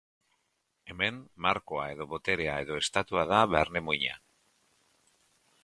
Hemen markoa edo boterea edo estatua da barne-muina.